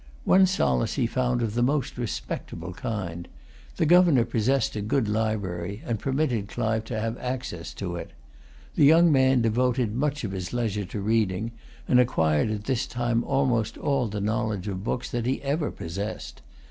One solace he found of the most respectable kind. The Governor possessed a good library, and permitted Clive to have access to it. The young man devoted much of his leisure to reading, and acquired at this time almost all the knowledge of books that he ever possessed.